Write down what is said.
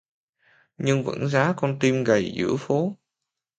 Nhưng vẫn giá con tim gầy giữa phố